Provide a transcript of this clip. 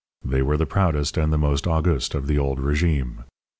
They were the proudest and most august of the old régime.